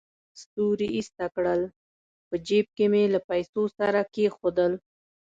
ستوري ایسته کړل، په جېب کې مې له پیسو سره کېښودل.